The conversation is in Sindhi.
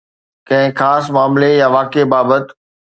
ڪنهن خاص معاملي يا واقعي بابت